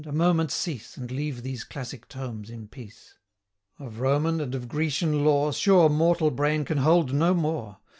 a moment cease, And leave these classic tomes in peace! Of Roman and of Grecian lore, Sure mortal brain can hold no more.